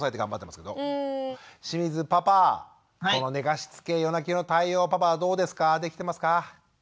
寝かしつけ夜泣きの対応パパはどうですかできてますか？